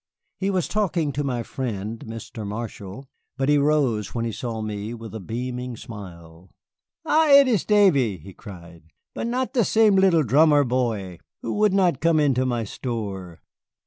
He was talking to my friend, Mr. Marshall, but he rose when he saw me, with a beaming smile. "Ha, it is Davy," he cried, "but not the sem lil drummer boy who would not come into my store.